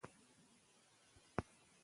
که په کار کې اخلاص وي نو بریا حتمي ده.